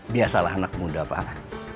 biasalah anak muda pak